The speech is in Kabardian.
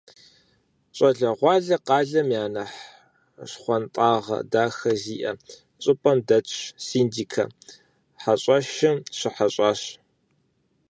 Щӏалэгъуалэр къалэм я нэхъ щхъуантӏагъэ дахэ зиӏэ щӏыпӏэм дэт «Синдикэ» хьэщӏэщым щыхьэщӏащ.